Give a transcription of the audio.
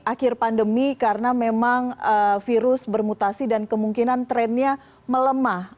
akhir pandemi karena memang virus bermutasi dan kemungkinan trennya melemah